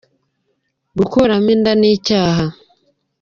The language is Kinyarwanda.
Gukuramo inda ni icyaha.